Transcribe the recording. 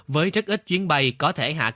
với rất ít chuyến bay có thể khai thác